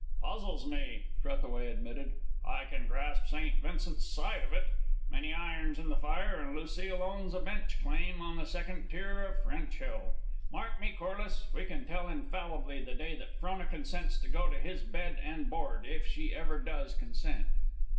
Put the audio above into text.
"Puzzles me," Trethaway admitted. "I can grasp St. Vincent's side of it. Many irons in the fire, and Lucile owns a bench claim on the second tier of French Hill. Mark me, Corliss, we can tell infallibly the day that Frona consents to go to his bed and board, if she ever does consent."